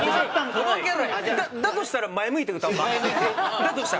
だとしたら前向いて歌おうか。